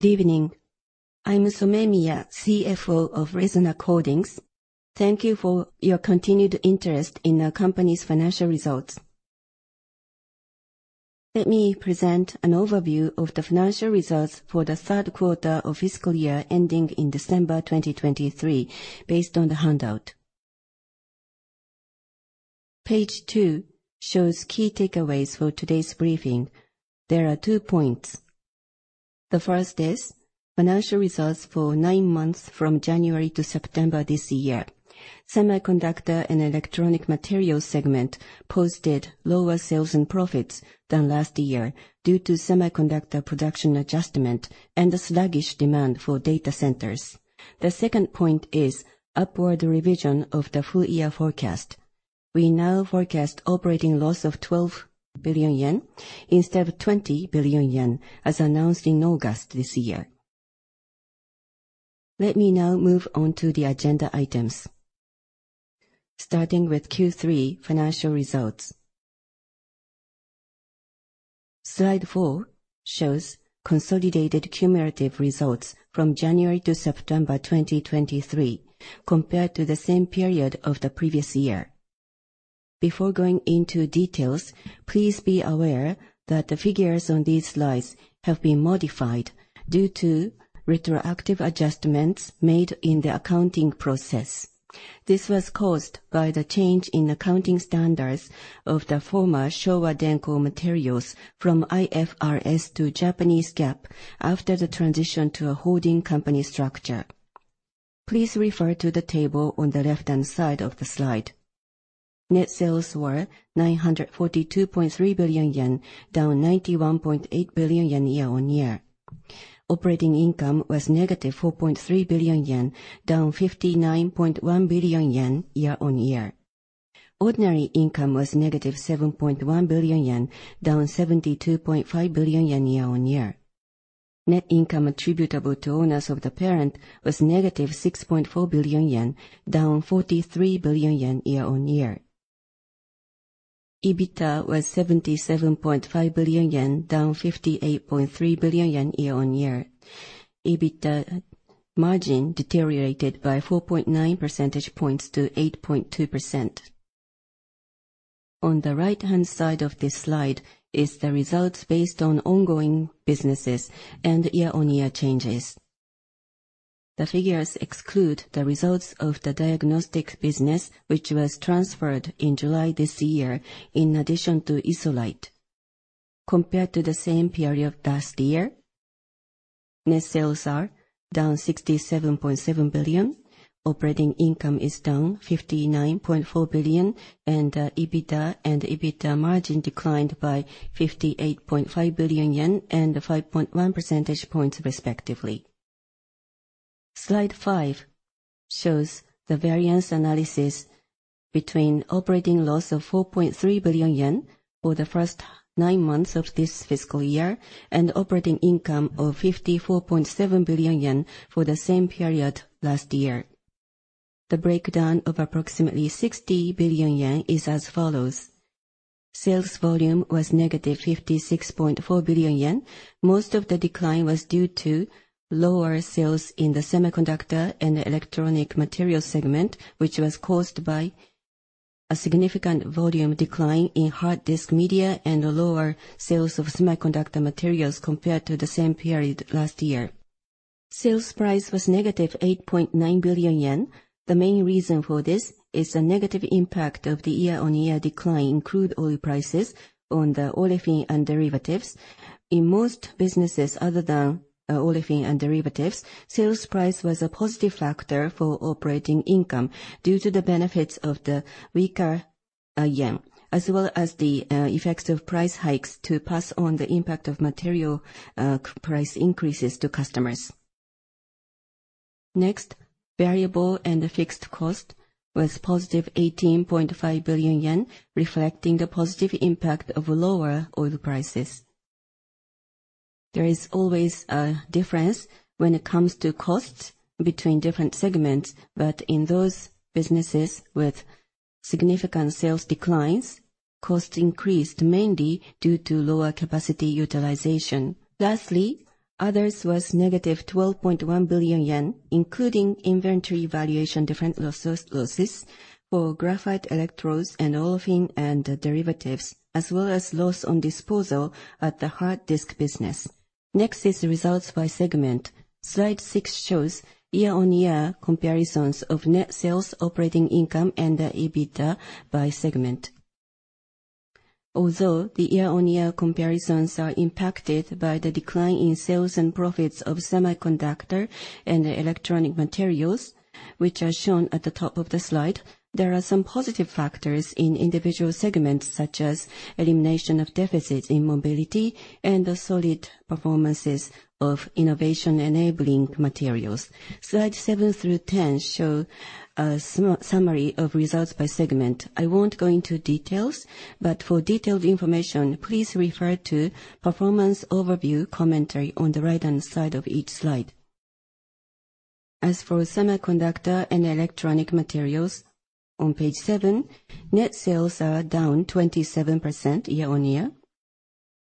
Good evening. I'm Somemiya, CFO of Resonac Holdings. Thank you for your continued interest in our company's financial results. Let me present an overview of the financial results for the third quarter of fiscal year ending in December 2023, based on the handout. Page two shows key takeaways for today's briefing. There are two points. The first is financial results for nine months from January to September this year. Semiconductor and Electronic Materials segment posted lower sales and profits than last year due to semiconductor production adjustment and the sluggish demand for data centers. The second point is upward revision of the full year forecast. We now forecast operating loss of 12 billion yen instead of 20 billion yen, as announced in August this year. Let me now move on to the agenda items, starting with Q3 financial results. Slide four shows consolidated cumulative results from January to September 2023 compared to the same period of the previous year. Before going into details, please be aware that the figures on these slides have been modified due to retroactive adjustments made in the accounting process. This was caused by the change in accounting standards of the former Showa Denko Materials from IFRS to Japanese GAAP after the transition to a holding company structure. Please refer to the table on the left-hand side of the slide. Net sales were 942.3 billion yen, down 91.8 billion yen year-on-year. Operating income was negative 4.3 billion yen, down 59.1 billion yen year-on-year. Ordinary income was negative 7.1 billion yen, down 72.5 billion yen year-on-year. Net income attributable to owners of the parent was negative 6.4 billion yen, down 43 billion yen year-on-year. EBITDA was 77.5 billion yen, down 58.3 billion yen year-on-year. EBITDA margin deteriorated by 4.9 percentage points to 8.2%. On the right-hand side of this slide is the results based on ongoing businesses and year-on-year changes. The figures exclude the results of the diagnostics business, which was transferred in July this year, in addition to Isolite. Compared to the same period last year, net sales are down 67.7 billion, operating income is down 59.4 billion, and EBITDA and EBITDA margin declined by 58.5 billion yen and 5.1 percentage points respectively. Slide five shows the variance analysis between operating loss of 4.3 billion yen for the first nine months of this fiscal year and operating income of 54.7 billion yen for the same period last year. The breakdown of approximately 60 billion yen is as follows. Sales volume was negative 56.4 billion yen. Most of the decline was due to lower sales in the Semiconductor and Electronic Materials segment, which was caused by a significant volume decline in hard disk media and lower sales of semiconductor materials compared to the same period last year. Sales price was negative 8.9 billion yen. The main reason for this is the negative impact of the year-on-year decline in crude oil prices on the olefin and derivatives. In most businesses other than olefin and derivatives, sales price was a positive factor for operating income due to the benefits of the weaker yen, as well as the effects of price hikes to pass on the impact of material price increases to customers. Next, variable and fixed cost was positive 18.5 billion yen, reflecting the positive impact of lower oil prices. There is always a difference when it comes to costs between different segments, but in those businesses with significant sales declines, costs increased mainly due to lower capacity utilization. Lastly, others was negative 12.1 billion yen, including inventory valuation difference losses for graphite electrodes and olefin and derivatives, as well as loss on disposal at the hard disk business. Next is results by segment. Slide six shows year-on-year comparisons of net sales, operating income, and EBITDA by segment. Although the year-on-year comparisons are impacted by the decline in sales and profits of Semiconductor and Electronic Materials, which are shown at the top of the slide, there are some positive factors in individual segments, such as elimination of deficits in Mobility and the solid performances of Innovation Enabling Materials. Slides seven through 10 show a summary of results by segment. I won't go into details, but for detailed information, please refer to performance overview commentary on the right-hand side of each slide. As for Semiconductor and Electronic Materials on page seven, net sales are down 27% year-on-year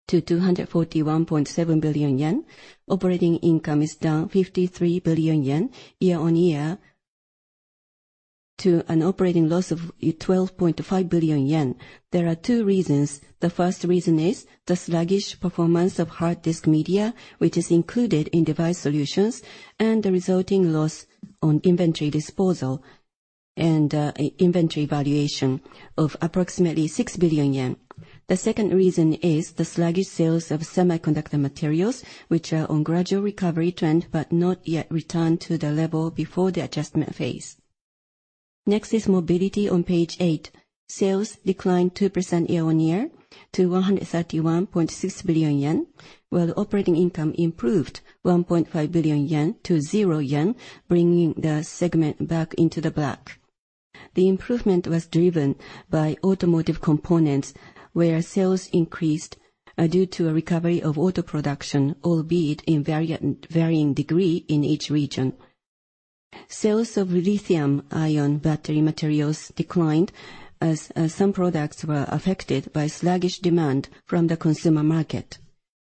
to 241.7 billion yen. Operating income is down 53 billion yen year-on-year to an operating loss of 12.5 billion yen. There are two reasons. The first reason is the sluggish performance of hard disk media, which is included in Device Solutions, and the resulting loss on inventory disposal and inventory valuation of approximately 6 billion yen. The second reason is the sluggish sales of semiconductor materials, which are on gradual recovery trend but not yet returned to the level before the adjustment phase. Next is Mobility on page eight. Sales declined 2% year-on-year to 131.6 billion yen, while operating income improved 1.5 billion yen to 0 yen, bringing the segment back into the black. The improvement was driven by automotive components, where sales increased due to a recovery of auto production, albeit in varying degree in each region. Sales of lithium ion battery materials declined as some products were affected by sluggish demand from the consumer market.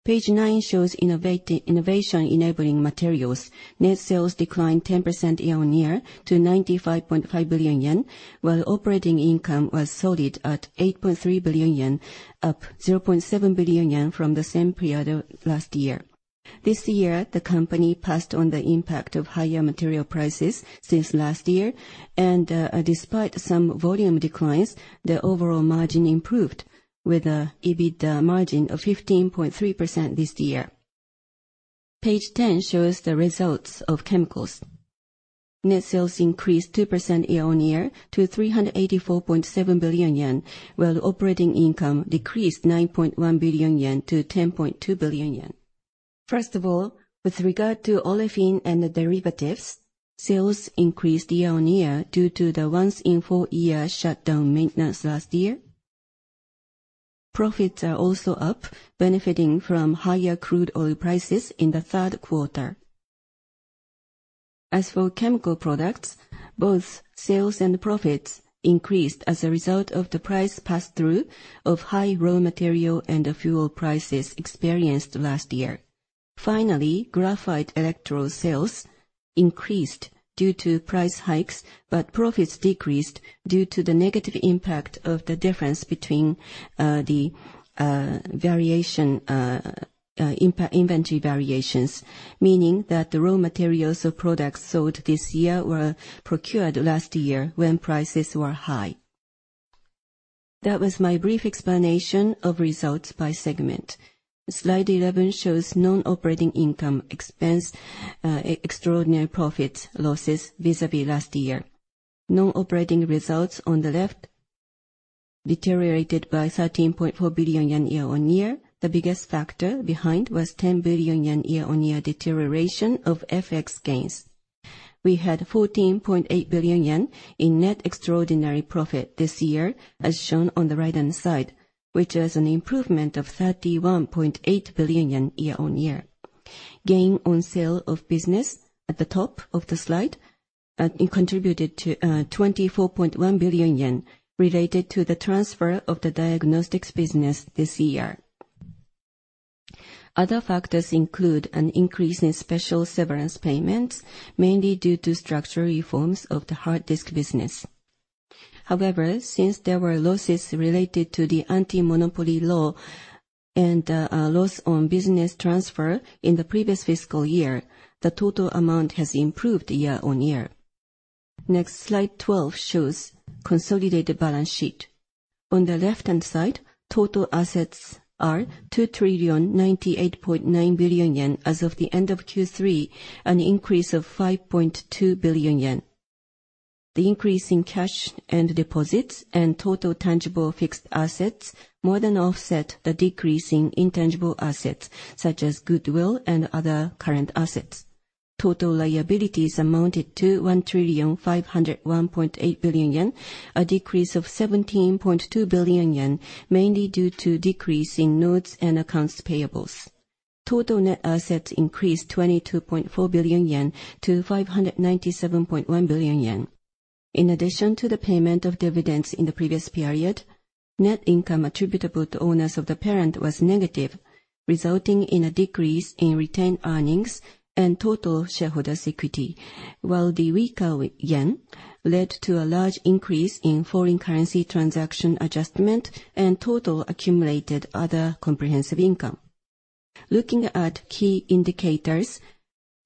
Page nine shows Innovation Enabling Materials. Net sales declined 10% year-on-year to 95.5 billion yen, while operating income was solid at 8.3 billion yen, up 0.7 billion yen from the same period last year. This year, the company passed on the impact of higher material prices since last year, and despite some volume declines, the overall margin improved with an EBITDA margin of 15.3% this year. Page 10 shows the results of Chemicals. Net sales increased 2% year-on-year to 384.7 billion yen, while operating income decreased 9.1 billion yen to 10.2 billion yen. First of all, with regard to olefin and derivatives, sales increased year-on-year due to the once in four-year shutdown maintenance last year. Profits are also up, benefiting from higher crude oil prices in the third quarter. As for chemical products, both sales and profits increased as a result of the price pass-through of high raw material and fuel prices experienced last year. Finally, graphite electrodes sales increased due to price hikes, but profits decreased due to the negative impact of the difference between the inventory variations, meaning that the raw materials of products sold this year were procured last year when prices were high. That was my brief explanation of results by segment. Slide 11 shows non-operating income expense, extraordinary profit losses vis-à-vis last year. Non-operating results on the left deteriorated by 13.4 billion yen year-on-year. The biggest factor behind was 10 billion yen year-over-year deterioration of FX gains. We had 14.8 billion yen in net extraordinary profit this year, as shown on the right-hand side, which was an improvement of 31.8 billion yen year-over-year. Gain on sale of business at the top of the slide contributed to 24.1 billion yen related to the transfer of the diagnostics business this year. Other factors include an increase in special severance payments, mainly due to structural reforms of the hard disk business. However, since there were losses related to the anti-monopoly law and a loss on business transfer in the previous fiscal year, the total amount has improved year-over-year. Slide 12 shows consolidated balance sheet. On the left-hand side, total assets are 2,098.9 billion yen as of the end of Q3, an increase of 5.2 billion yen. The increase in cash and deposits and total tangible fixed assets more than offset the decrease in intangible assets such as goodwill and other current assets. Total liabilities amounted to 1,501.8 billion yen, a decrease of 17.2 billion yen, mainly due to decrease in notes and accounts payables. Total net assets increased 22.4 billion yen to 597.1 billion yen. In addition to the payment of dividends in the previous period, net income attributable to owners of the parent was negative, resulting in a decrease in retained earnings and total shareholders equity. While the weaker yen led to a large increase in foreign currency transaction adjustment and total accumulated other comprehensive income. Looking at key indicators,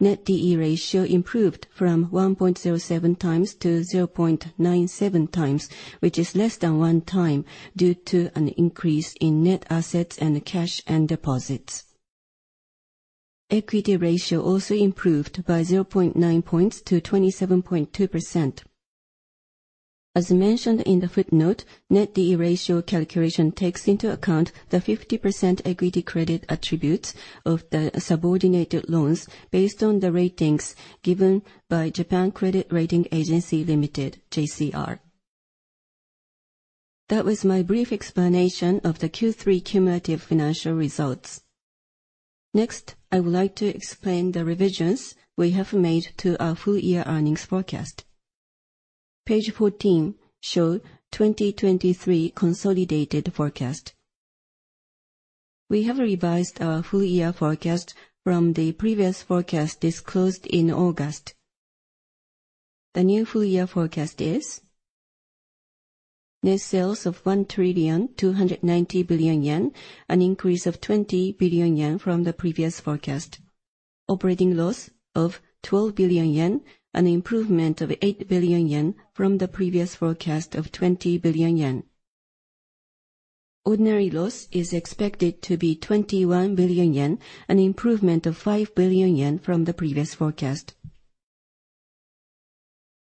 Net D/E ratio improved from 1.07 times to 0.97 times, which is less than one time due to an increase in net assets and cash and deposits. Equity ratio also improved by 0.9 points to 27.2%. As mentioned in the footnote, Net D/E ratio calculation takes into account the 50% equity credit attributes of the subordinated loans based on the ratings given by Japan Credit Rating Agency, Ltd., JCR. That was my brief explanation of the Q3 cumulative financial results. I would like to explain the revisions we have made to our full year earnings forecast. Page 14 shows 2023 consolidated forecast. We have revised our full year forecast from the previous forecast disclosed in August. The new full year forecast is net sales of 1,290 billion yen, an increase of 20 billion yen from the previous forecast. Operating loss of 12 billion yen, an improvement of 8 billion yen from the previous forecast of 20 billion yen. Ordinary loss is expected to be 21 billion yen, an improvement of 5 billion yen from the previous forecast.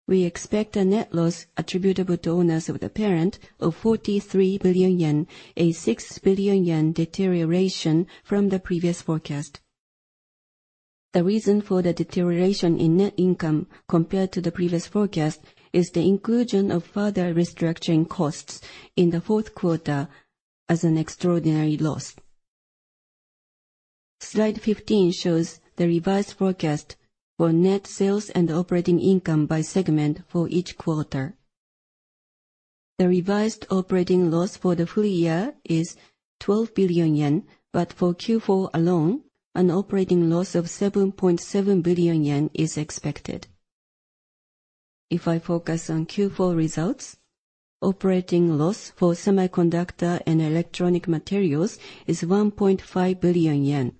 We expect a net loss attributable to owners of the parent of 43 billion yen, a 6 billion yen deterioration from the previous forecast. The reason for the deterioration in net income compared to the previous forecast is the inclusion of further restructuring costs in the fourth quarter as an extraordinary loss. Slide 15 shows the revised forecast for net sales and operating income by segment for each quarter. The revised operating loss for the full year is 12 billion yen, but for Q4 alone, an operating loss of 7.7 billion yen is expected. If I focus on Q4 results, operating loss for Semiconductor and Electronic Materials is 1.5 billion yen.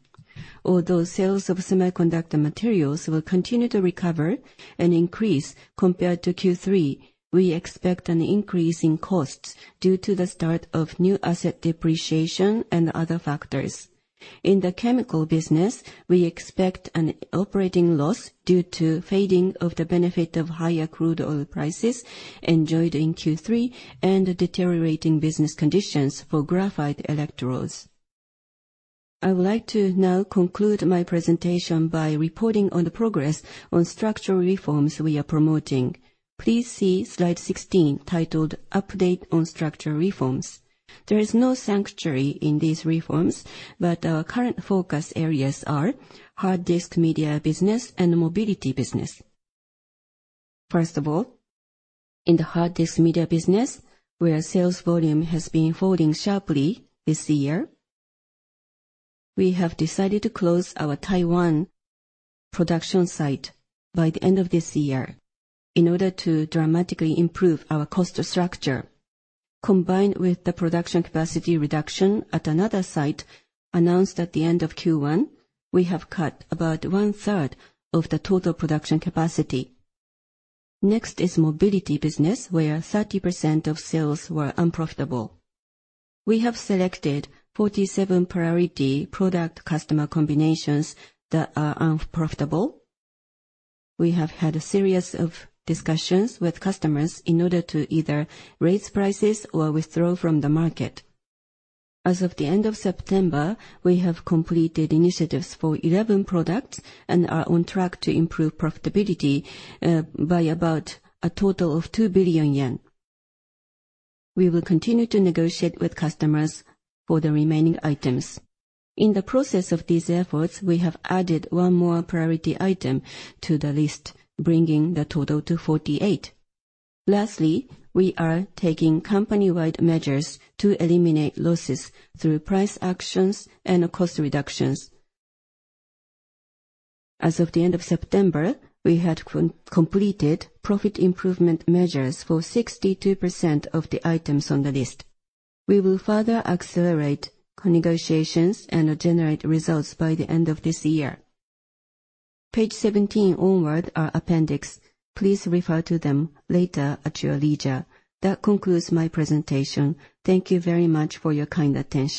Although sales of semiconductor materials will continue to recover and increase compared to Q3, we expect an increase in costs due to the start of new asset depreciation and other factors. In the Chemicals business, we expect an operating loss due to fading of the benefit of higher crude oil prices enjoyed in Q3 and deteriorating business conditions for graphite electrodes. I would like to now conclude my presentation by reporting on the progress on structural reforms we are promoting. Please see Slide 16, titled "Update on Structural Reforms." There is no sanctuary in these reforms, but our current focus areas are hard disk media business and Mobility business. First of all, in the hard disk media business, where sales volume has been falling sharply this year, we have decided to close our Taiwan production site by the end of this year in order to dramatically improve our cost structure. Combined with the production capacity reduction at another site announced at the end of Q1, we have cut about one-third of the total production capacity. Next is Mobility business, where 30% of sales were unprofitable. We have selected 47 priority product customer combinations that are unprofitable. We have had a series of discussions with customers in order to either raise prices or withdraw from the market. As of the end of September, we have completed initiatives for 11 products and are on track to improve profitability by about a total of 2 billion yen. We will continue to negotiate with customers for the remaining items. In the process of these efforts, we have added one more priority item to the list, bringing the total to 48. Lastly, we are taking company-wide measures to eliminate losses through price actions and cost reductions. As of the end of September, we had completed profit improvement measures for 62% of the items on the list. We will further accelerate negotiations and generate results by the end of this year. Page 17 onward are appendix. Please refer to them later at your leisure. That concludes my presentation. Thank you very much for your kind attention.